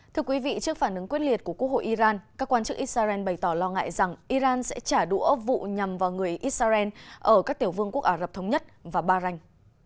thưa quý vị trước phản ứng quyết liệt của quốc hội iran các quan chức israel bày tỏ lo ngại rằng iran sẽ trả đũa vụ nhằm vào người israel ở các tiểu vương quốc ả rập thống nhất và bahrain